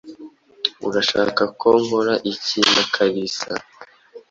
Urashaka ko nkora iki na Kalisa?